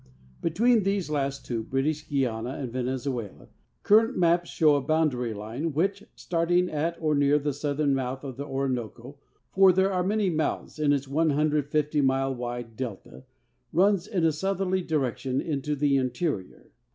Between these last two, British Guiana and Venezuela, current maps show a Ijoundary line which, starting at or near the south ern mouth of the Orinoco (for there are many mouths in its 1")0 mile wide delta), runs in a southerly direction into the interior.